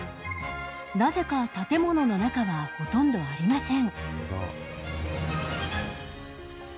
なぜか建物の中はほとんどありません。